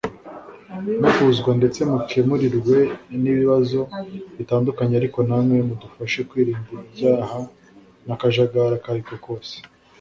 muvuzwa ndetse mukemurirwe n’ibibazo bitandukanye ariko na mwe mudufashe mwirinda ibyaha n’akajagari akariko kose